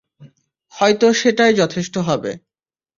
হয়তো সেটাই যথেষ্ট হবে।